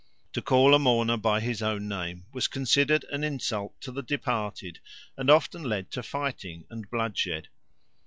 To call a mourner by his own name was considered an insult to the departed, and often led to fighting and bloodshed.